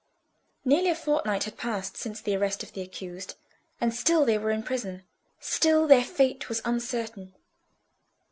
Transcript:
Nearly a fortnight had passed since the arrest of the accused, and still they were in prison, still their fate was uncertain.